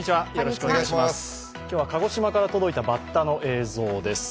今日は鹿児島から届いたバッタの映像です。